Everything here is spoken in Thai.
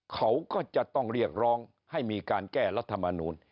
เขาก็จะต้องเรียกร้องให้มีการแก้รัฐมนูล